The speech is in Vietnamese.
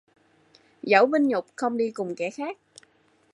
Dẫu vinh nhục không đi cùng kẻ khác